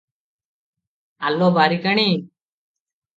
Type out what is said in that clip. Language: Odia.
ଆଲୋ ବାରିକାଣି!